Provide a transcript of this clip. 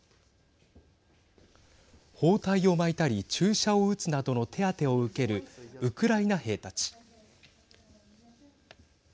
包帯を巻いたり注射を打つなどの手当てを受けるウクライナ兵たち。